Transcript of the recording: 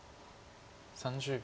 ３０秒。